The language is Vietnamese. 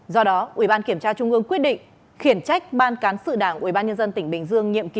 do đó ubnd quyết định khiển trách ban cán sự đảng ubnd tỉnh bình dương nhiệm kỳ hai nghìn hai mươi một hai nghìn hai mươi sáu